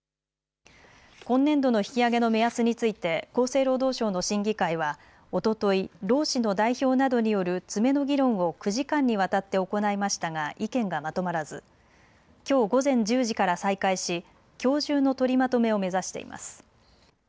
今年度の引き上げの目安について厚生労働省の審議会はおととい労使の代表などによる詰めの議論を９時間にわたって行いましたが意見がまとまらずきょう午前１０時から再開しきょう中の取りまとめを目指しています。